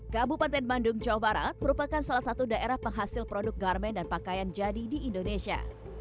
kabupaten bandung jawa barat merupakan salah satu daerah penghasil produk garmen dan pakaian jadi di indonesia